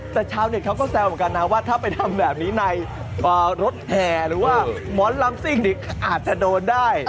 แต่ชาวเน็ตเขาก็แซวเหมือนกันนะว่าถ้าไปทำแบบนี้ในรถแห่หรือว่าหมอนลำซิ่งอีกอาจจะโดนได้